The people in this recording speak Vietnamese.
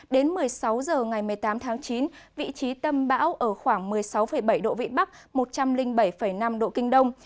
đến một mươi sáu h ngày một mươi tám tháng chín vị trí tâm bão ở khoảng một mươi sáu bảy độ vĩ bắc một trăm linh bảy năm độ kinh đông